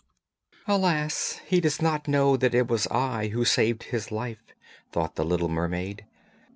'Alas! he does not know that it was I who saved his life,' thought the little mermaid.